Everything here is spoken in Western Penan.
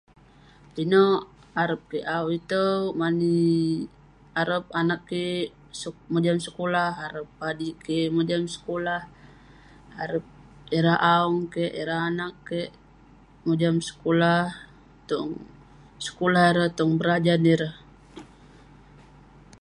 Pinek arep kik au itouk..mani arep anag kik mojam sekulah, arep padik kik mojam sekulah, arep ireh a'ong kik, ireh anag kik mojam sekulah..tong sekulah ireh, tong berajan ireh..